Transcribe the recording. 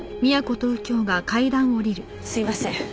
すいません。